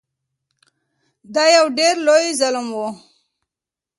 دا یو ډیر لوی ظلم و.